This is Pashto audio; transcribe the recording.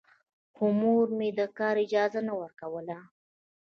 خو مور يې د کار اجازه نه ورکوله.